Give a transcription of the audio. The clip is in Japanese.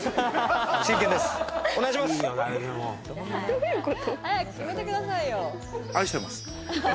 真剣です、お願いします。